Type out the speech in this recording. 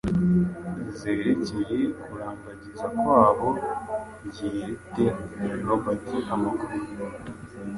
zerekeye kurambagiza kwabo, yerete Robert amakuru